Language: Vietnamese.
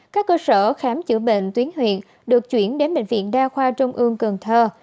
các cơ sở khám chữa bệnh tuyến huyện được chuyển đến bệnh viện đa khoa trung ương cần thơ